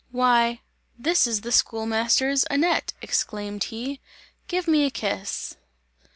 "Why this is the schoolmaster's Annette," exclaimed he, "give me a kiss!"